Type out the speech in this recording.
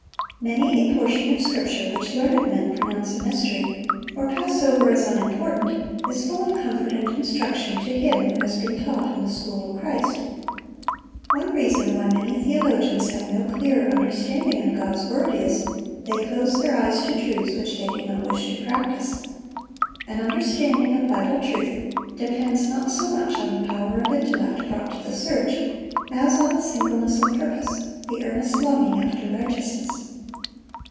Many a portion of Scripture which learned men pronounce a mystery, or pass over as unimportant, is full of comfort and instruction to him who has been taught in the school of Christ. One reason why many theologians have no clearer understanding of God's word is, they close their eyes to truths which they do not wish to practise. An understanding of Bible truth depends not so much on the power of intellect brought to the search as on the singleness of purpose, the earnest longing after righteousness.